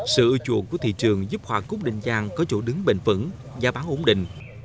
sự ưa chuộng của thị trường giúp hoa cúc đình trang có chỗ đứng bền vững giá bán ổn định